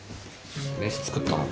飯作ったの？